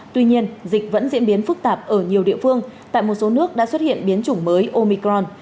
tuy nhiên dịch vẫn diễn biến phức tạp ở nhiều địa phương tại một số nước đã xuất hiện biến chủng mới omicron